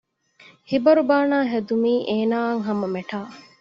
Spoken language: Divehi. ހިބަރު ބާނައި ހެދުމީ އޭނާއަށް ހަމަ މެޓާ